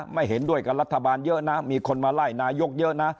ไม่เห็นด้วยกับรัฐบาลเยอะนะมีคนมาไล่นายกเยอะนะ